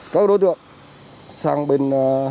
các đối tượng sang bên